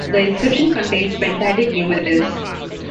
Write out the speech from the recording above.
The inscription contains "pentadic" numerals.